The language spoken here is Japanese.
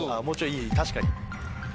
もうちょい確かに。